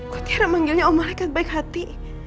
kok tiara memanggilnya oh malaikat baik hati